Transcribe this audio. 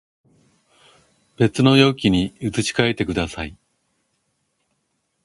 別の容器に移し替えてください